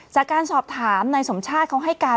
จากการสอบถามนายสมชาติเขาให้การ